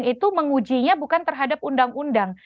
itu mengujinya bukan terhadap undang undang